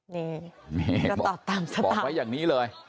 นี่นี่บอกไว้อย่างนี้